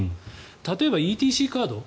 例えばＥＴＣカード。